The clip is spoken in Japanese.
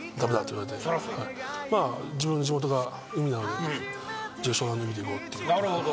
自分の地元が海なので「じゃあ湘南乃海でいこう」って。